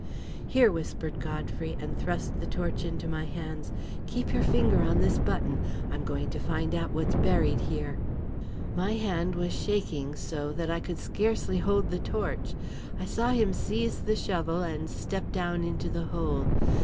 "Here," whispered Godfrey, and thrust the torch into my hands. "Keep your finger on this button. I'm going to find out what's buried here." My hand was shaking so that I could scarcely hold the torch. I saw him seize the shovel and step down into the hole.